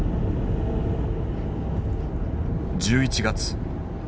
１１月。